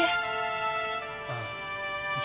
barahmadi ini kita berhenti disini aja